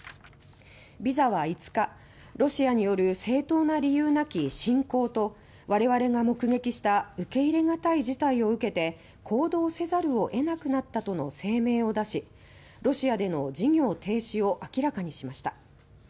ＶＩＳＡは５日「ロシアによる正当な理由なき侵攻と我々が目撃した受け入れがたい事態を受けて行動せざるを得なくなった」との声明を出しロシアでの事業停止を明らかにしました。